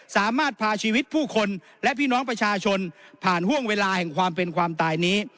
สามารถพาชีวิตผู้คนและพี่น้องประชาชนผ่านห่วงเวลาแห่งความเป็นความตายนี้